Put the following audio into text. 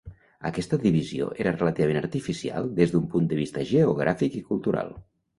Aquesta divisió era relativament artificial des d'un punt de vista geogràfic i cultural.